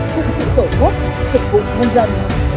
giúp sự tổ quốc thực vụ nhân dân